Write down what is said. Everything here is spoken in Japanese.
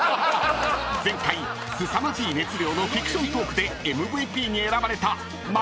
［前回すさまじい熱量のフィクショントークでＭＶＰに選ばれた街裏ぴんく］